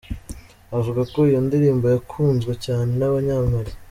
Avuga ko iyo ndirimbo yakunzwe cyane n’Abanya-Mali.